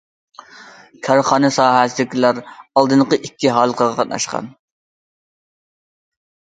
كارخانا ساھەسىدىكىلەر ئالدىنقى ئىككى ھالقىغا قاتناشقان.